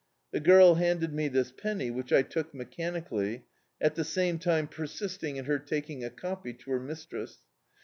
The girl handed me this penny, which I took me* chanically, at the same time persisting in her taking a copy to her mistress.